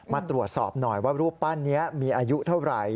มาตรวจสอบหน่อยว่ารูปปั้นนี้มีอายุเท่าไหร่